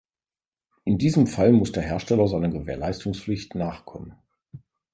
In diesem Fall muss der Hersteller seiner Gewährleistungspflicht nachkommen.